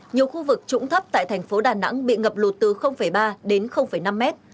nhiều khu vực trũng thấp tại thành phố đà nẵng bị ngập lụt từ ba đến năm mét